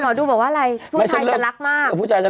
หมอดูบอกว่าอะไรผู้ชายจะรักมากหัวไม่ฉันเลิก